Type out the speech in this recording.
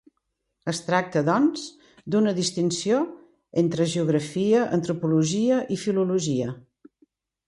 Es tracta, doncs, d'una distinció entre geografia, antropologia i filologia.